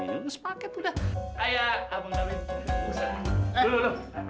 dia juga berkata ayah abang darwin